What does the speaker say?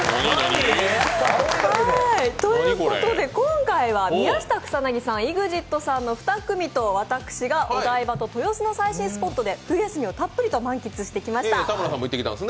ということで今回は宮下草薙さん、ＥＸＩＴさんの２組と私がお台場と豊洲の最新スポットで冬休みをたっぷり満喫してきました。